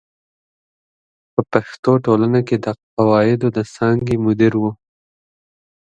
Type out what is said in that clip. په پښتو ټولنه کې د قواعدو د څانګې مدیر و.